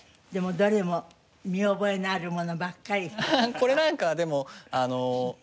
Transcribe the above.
これなんかはでも５歳。